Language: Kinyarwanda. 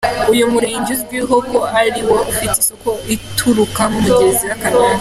Uyu Murenge uzwiho ko ari wo ufite isoko iturukamo umugezi w’Akanyaru.